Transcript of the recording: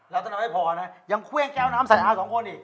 เราจะนำให้พ่อนะยังเครื่องแก้วน้ำสะอาวของโอนี่